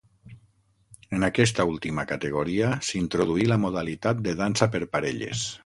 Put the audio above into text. En aquesta última categoria s'introduí la modalitat de dansa per parelles.